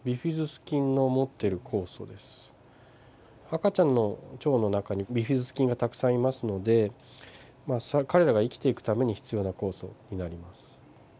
赤ちゃんの腸の中にビフィズス菌がたくさんいますので彼らが生きていくために必要な酵素になります。